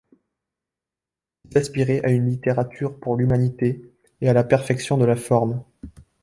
Ils aspiraient à une littérature pour l'Humanité et à la perfection de la forme.